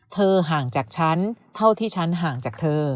ห่างจากฉันเท่าที่ฉันห่างจากเธอ